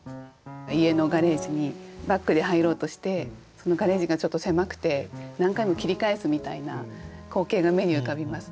家のガレージにバックで入ろうとしてそのガレージがちょっと狭くて何回も切り返すみたいな光景が目に浮かびますね。